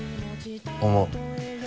思う。